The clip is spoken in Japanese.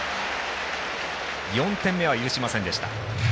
４点目は許しませんでした。